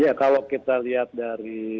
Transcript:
ya kalau kita lihat dari